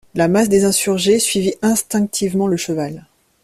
La masse des insurgés suivit instinctivement le cheval.